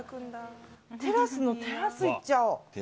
テラスのテラス行っちゃおう。